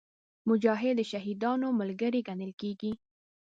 مجاهد د شهیدانو ملګری ګڼل کېږي.